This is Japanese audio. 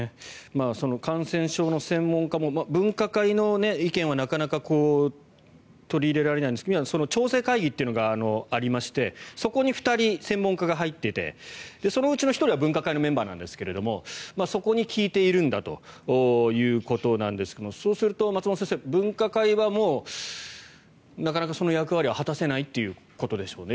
その感染症の専門家も分科会の意見はなかなか取り入れられないんですが調整会議っていうのがありましてそこに２人専門家が入っててそのうちの１人は分科会のメンバーなんですがそこに聞いているんだということなんですがそうすると松本先生分科会はもうなかなかその役割は果たせないということでしょうね。